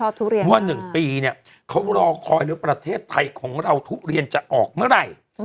เพราะว่า๑ปีเนี่ยเขารอคอยเลยประเทศไทยของเราทุเรียนจะออกเมื่อไหร่